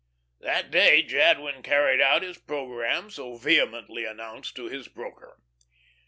That day Jadwin carried out his programme so vehemently announced to his broker.